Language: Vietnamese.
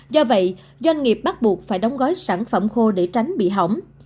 do vậy doanh nghiệp bắt buộc phải đóng gói sản phẩm khô để tránh bị hỏng